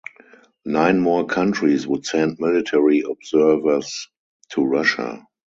Nine more countries would send military observers to Russia.